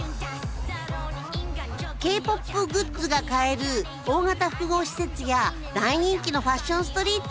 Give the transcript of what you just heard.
Ｋ−ＰＯＰグッズが買える大型複合施設や大人気のファッションストリート。